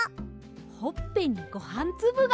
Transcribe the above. ほっぺにごはんつぶが！